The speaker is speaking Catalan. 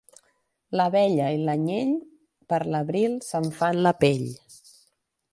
L'abella i l'anyell per l'abril se'n fan la pell.